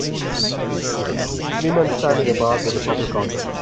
Three men stand in a bar with a purple counter.